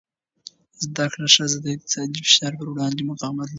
زده کړه ښځه د اقتصادي فشار پر وړاندې مقاومت لري.